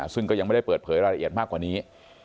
ซึ่งก็ยังไม่ได้เปิดเผยรายละเอียดมากกว่านี้